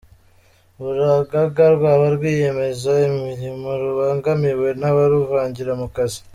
Urugaga rwaba rwiyemeza mirimo rubangamiwe n’abaruvangira mu kazi